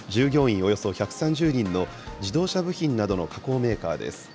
およそ１３０人の自動車部品などの加工メーカーです。